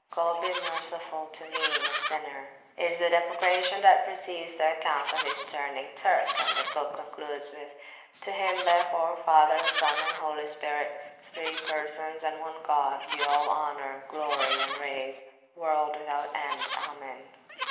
God be merciful to me a Sinner! is the deprecation that precedes the account of his turning Turk, and the book concludes with, To him, therefore, Father, Son, and Holy Spirit, Three [p.360] Persons and one God, be all Honour, Glory, and Praise, world without end. Amen.